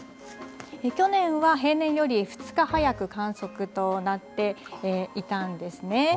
去年は平年より２日早く観測となっていたんですね。